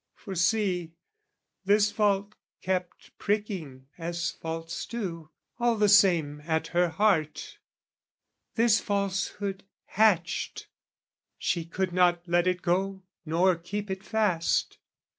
For see; this fault kept pricking, as faults do, All the same at her heart, this falsehood hatched, She could not let it go nor keep it fast.